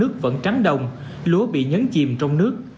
cánh đồng lúa bị nhấn chìm trong nước